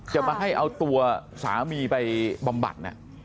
จะมาให้เอาตัวสามีไปบำบัด